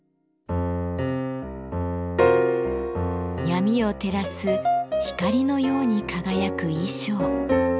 闇を照らす光のように輝く衣装。